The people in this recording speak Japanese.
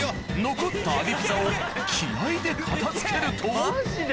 残った揚げピザを気合で片付けるとマジで？